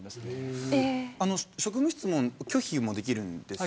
職務質問は拒否もできるんですよね。